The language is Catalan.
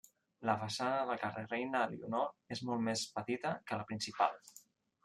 La façana del carrer Reina Elionor és molt més petita que la principal.